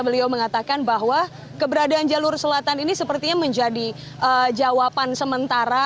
beliau mengatakan bahwa keberadaan jalur selatan ini sepertinya menjadi jawaban sementara